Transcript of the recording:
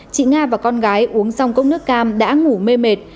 chị nga và con gái uống rong cốc nước cam đã ngủ mê mệt